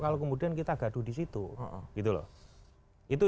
kalau kemudian kita gaduh di situ